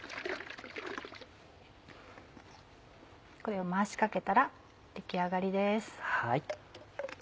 これを回しかけたら出来上がりです。